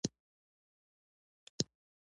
• شتمن سړی که سخي وي، خلک یې خوښوي.